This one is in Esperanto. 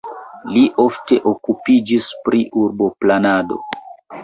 Li ofte okupiĝis pri urboplanado.